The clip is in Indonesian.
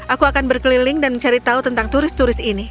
aku akan berkeliling dan mencari tahu tentang turis turis ini